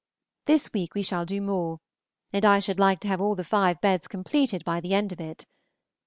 This week we shall do more, and I should like to have all the five beds completed by the end of it.